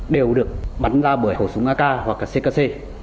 đều được bắn ra bởi hộ súng ak hoặc ckc